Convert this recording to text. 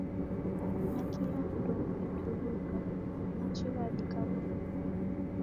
Nakila ndoo eturuka, machi ghadika ghose.